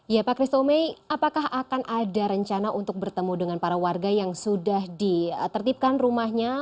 ya pak christo mei apakah akan ada rencana untuk bertemu dengan para warga yang sudah ditertibkan rumahnya